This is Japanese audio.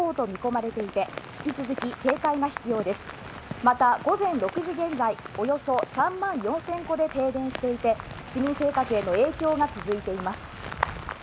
また午前６時現在、およそ３万４０００戸で停電していて市民生活への影響が続いています。